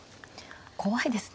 怖いですね。